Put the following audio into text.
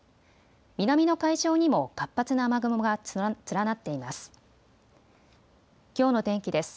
南の海上にも活発な雨雲が連なっています。